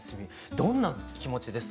どんな気持ちですか？